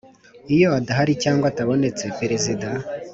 Iyo adahari cyangwa atabonetse Perezida